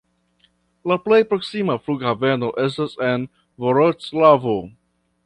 La plej proksima flughaveno estas en Vroclavo.